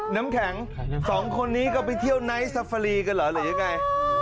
น้ำแข็งสองคนนี้ก็ไปเที่ยวไนท์ซาฟารีกันเหรอหรือยังไง